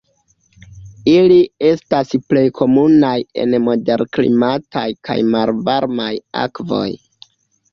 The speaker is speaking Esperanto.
Ili estas plej komunaj en moderklimataj kaj malvarmaj akvoj.